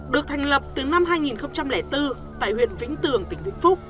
được thành lập từ năm hai nghìn bốn tại huyện vĩnh tường tỉnh vĩnh phúc